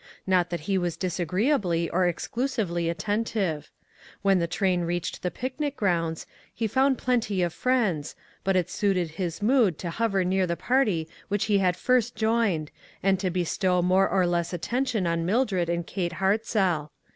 Not that he was disagree ably or exclusively attentive. When the train reached the picnic grounds he found plenty of friends, but it suited his mood to hover near the party which he had first joined, and to bestow more or less attention on Mildred and Kate Hartzell.